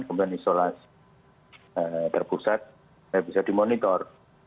kemudian isolasi terpusat bisa dimonitor